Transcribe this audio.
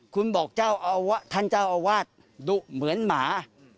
คุณบอกท่านเจ้าอาวาสดุเหมือนหมา